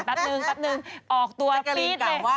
ปั๊บนึงออกตัวฟีดเลย